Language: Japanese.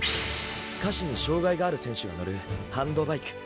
下肢に障がいがある選手が乗るハンドバイク。